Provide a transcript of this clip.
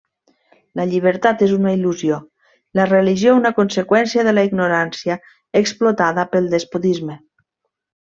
La llibertat és una il·lusió, la religió una conseqüència de la ignorància explotada pel despotisme.